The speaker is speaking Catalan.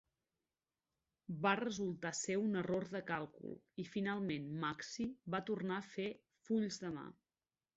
Va resultar ser un error de càlcul i finalment Maxi va tornar a fer fulls de mà.